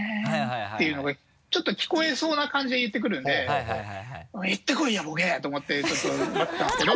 ていうのがちょっと聞こえそうな感じで言ってくるんで「おい言ってこいやボケ！」と思ってちょっと待ってたんですけど。